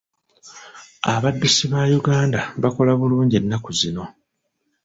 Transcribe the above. Abaddusi ba Uganda bakola bulungi ennaku zino.